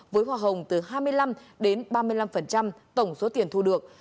với hoa hồng từ hai mươi năm đến ba mươi năm tổng số tiền thu được